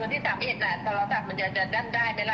วันที่๓๑ตะละทับมันจะดั้นได้ไหมล่ะ